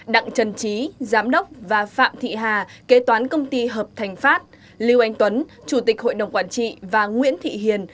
đặng trần trí giám đốc và phạm thị hà kế toán công ty hợp thành pháp lưu anh tuấn chủ tịch hội đồng quản trị và nguyễn thị hiền